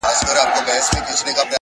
را روان په شپه كي سېل دى.!